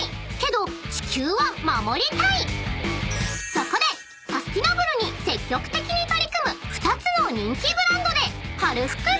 ［そこでサスティナブルに積極的に取り組む２つの人気ブランドで春服探し］